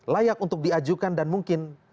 layak untuk diajukan dan mungkin